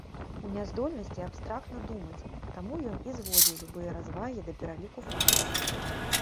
У няздольнасці абстрактна думаць, таму ён і зводзіў любыя развагі да пераліку фактаў.